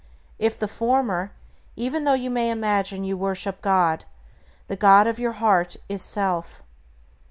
If the former, even though you may imagine you worship God, the god of your heart is self.